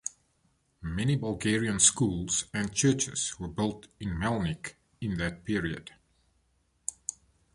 Many Bulgarian schools and churches were built in Melnik in that period.